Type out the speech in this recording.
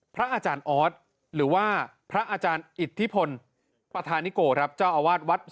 พระอาจารย์ออสบอกว่าอาการของคุณแป๋วผู้เสียหายคนนี้อาจจะเกิดจากหลายสิ่งประกอบกัน